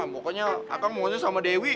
pokoknya akang mau sama dewi